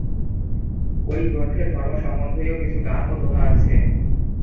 ওই গ্রন্থে ধর্ম সম্বন্ধীয় কিছু গান ও দোহা আছে।